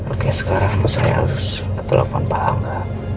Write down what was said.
oke sekarang itu saya harus telepon pak angga